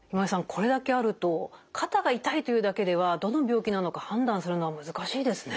これだけあると肩が痛いというだけではどの病気なのか判断するのは難しいですね。